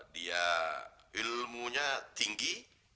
dia ilmunya tinggi